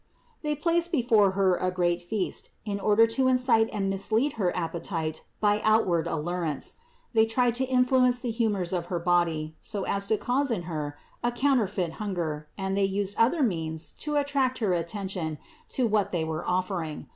They placed before Her a great feast, in order to incite and mislead her appetite by outward allurance; they tried to influence the humors of her body, so as to cause in Her a counterfeit hunger and they used other means to attract her attention to what they were offering.